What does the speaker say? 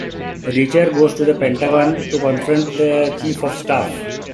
Reacher goes to the Pentagon to confront the Chief of Staff.